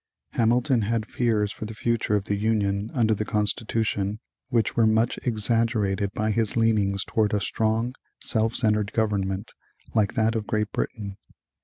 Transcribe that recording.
Hamilton had fears for the future of the Union under the Constitution which were much exaggerated by his leanings towards a strong, self centred government like that of Great Britain.